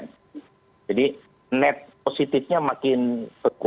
nah ini artinya apa artinya ada penilaian negatif yang makin meningkat